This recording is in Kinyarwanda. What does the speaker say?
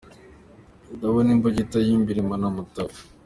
Ndabona imbugita y’i Mbilima na Matovu